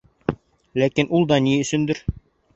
Ләкин ул да ни өсөндөр: